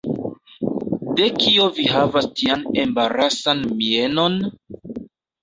De kio vi havas tian embarasan mienon?